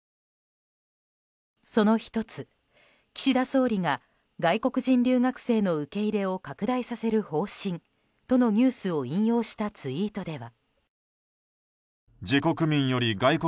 その１つ、岸田総理が外国人留学生の受け入れを拡大させる方針とのニュースを引用したツイートでは。